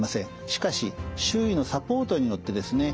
しかし周囲のサポートによってですね